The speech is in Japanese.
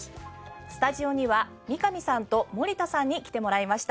スタジオには三上さんと森田さんに来てもらいました。